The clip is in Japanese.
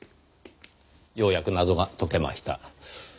ようやく謎が解けました。